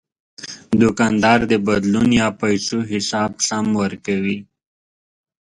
دوکاندار د بدلون یا پیسو حساب سم ورکوي.